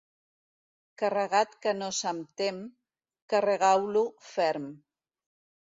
Carregat que no se'n tem, carregau-lo ferm.